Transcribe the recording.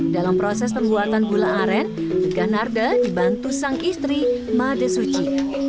dalam proses pembuatan gula aren iga narda dibantu sang istri made suci